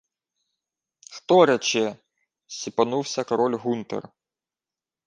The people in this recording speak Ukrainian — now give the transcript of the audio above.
— Хто рече? — сіпонувся король Гунтер.